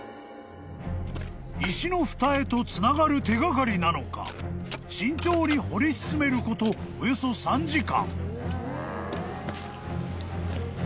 ［石のふたへとつながる手掛かりなのか慎重に掘り進めることおよそ３時間］